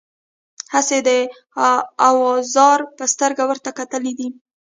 هسې د اوزار په سترګه ورته کتلي دي.